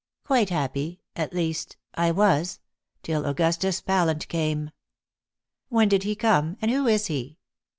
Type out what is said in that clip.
"Quite happy at least, I was till Augustus Pallant came." "When did he come? and who is he?"